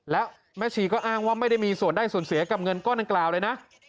แล้วแม่ชีก็อ้างว่าไม่ได้มีส่วนได้ส่วนเสียกับเงินก้อนดังกล่าวเลยนะ